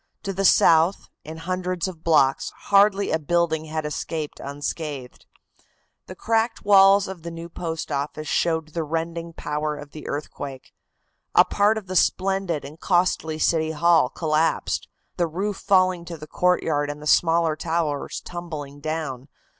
To the south, in hundreds of blocks, hardly a building had escaped unscathed. The cracked walls of the new Post Office showed the rending power of the earthquake. A part of the splendid and costly City Hall collapsed, the roof falling to the courtyard and the smaller towers tumbling down.